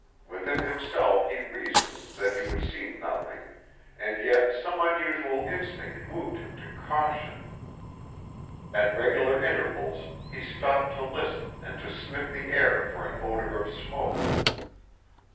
Within himself he reasoned that he would see nothing, and yet some unusual instinct moved him to caution. At regular intervals he stopped to listen and to sniff the air for an odor of smoke.